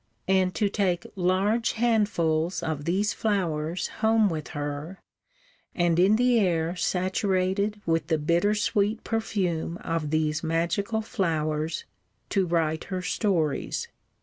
And to take large handfuls of these flowers home with her, and, in the air saturated with the bitter sweet perfume of these magical flowers, to write her stories.